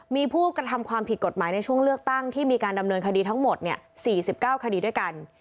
มีผู้กระทำความผิดกฎหมายในช่วงเลือกตั้งที่มีการดำเนินคดีทั้งหมด๔๙คดีด้วยกัน